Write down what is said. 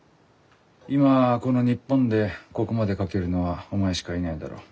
今この日本でここまで描けるのはお前しかいないだろう。